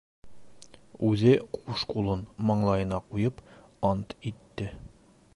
Үҙе ҡуш ҡулын маңлайына ҡуйып ант итте: